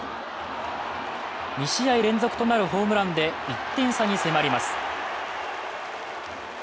２試合連続となるホームランで１点差に迫ります。